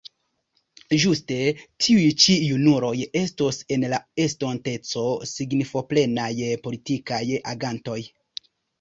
Ĝuste tiuj ĉi junuloj estos en la estonteco signifoplenaj politikaj agantoj.